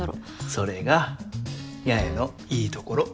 それが八重のいいところ。